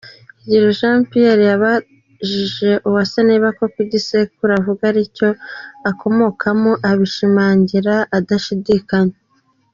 Higiro Jean Pierre yabajije Uwase niba koko igisekuru avuga ari cyo akomokamo abishimangira adashidikanya.